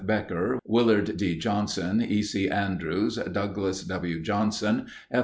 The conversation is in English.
Becker, Willard D. Johnson, E. C. Andrews, Douglas W. Johnson, F.